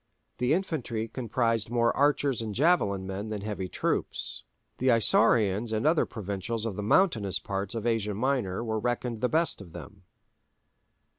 The infantry comprised more archers and javelin men than heavy troops: the Isaurians and other provincials of the mountainous parts of Asia Minor were reckoned the best of them.